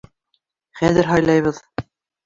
Хәҙер һайлайбыҙ.